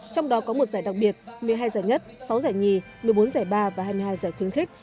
trong đó có một giải đặc biệt một mươi hai giải nhất sáu giải nhì một mươi bốn giải ba và hai mươi hai giải khuyến khích